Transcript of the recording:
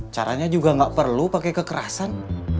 caranya juga nggak perlu pakai kekerasan